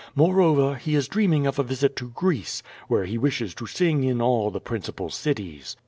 Moreover, he is dreaming of a visit to Greece, where he wishes to sing in all the principal cities.